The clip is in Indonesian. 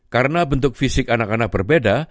karena bentuk fisik anak anak berbeda